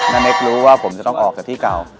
นาเน็กรู้ว่าผมจะต้องออกจากที่เก่า